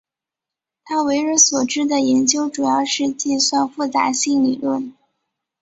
他为人所知的研究主要是计算复杂性理论和。